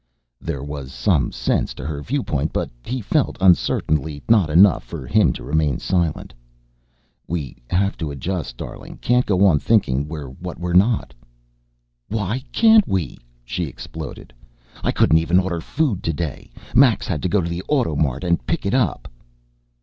There was some sense to her viewpoint but, he felt uncertainly, not enough for him to remain silent. "We have to adjust, darling, can't go on thinking we're what we're not." "Why can't we?" she exploded. "I couldn't even order food today. Max had to go to the AutoMart and pick it up!"